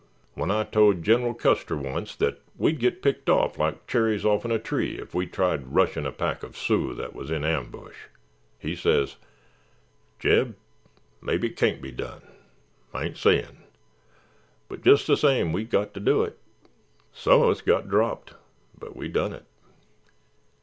When I told General Custer onct that we'd get picked off like cherries offen a tree if we tried rushin' a pack uv Sioux that was in ambush, he says, 'Jeb, mebbe it cain't be done, I ain't sayin', but jest the same, we got ter do it.' Some on us got dropped, but we done it."